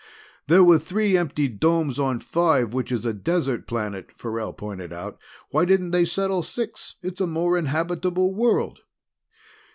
"There were three empty domes on Five, which is a desert planet," Farrell pointed out. "Why didn't they settle Six? It's a more habitable world."